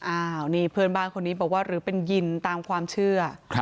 อ้าวนี่เพื่อนบ้านคนนี้บอกว่าหรือเป็นยินตามความเชื่อ